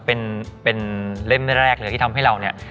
เป็นเล่มแรกเลยที่ทำให้เราเนี่ย